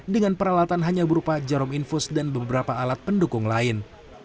dengan peralatan hanya berupa jarum infus dan beberapa alat pendukung lain